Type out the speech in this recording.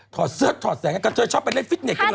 ถอดเสื้อถอดแสงจะชอบไปเล่นฟิตเนสกันเลย